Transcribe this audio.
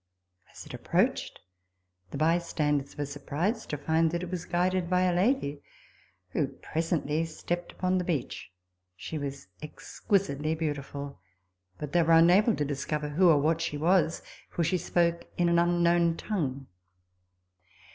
As it approached, the bystanders were surprised. to find that it was guided by a lady, who presently stepped upon the beach. She was exquisitely beautiful ; but they were unable to discover who or what she was, for she spoke in an unknown tongue.